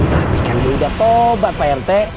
tapi kan dia udah tobat pak rt